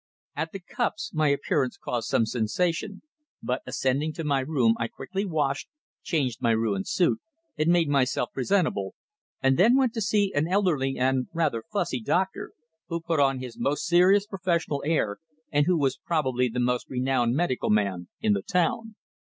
At the "Cups" my appearance caused some sensation, but, ascending to my room, I quickly washed, changed my ruined suit, and made myself presentable, and then went to see an elderly and rather fussy doctor, who put on his most serious professional air, and who was probably the most renowned medical man in the town.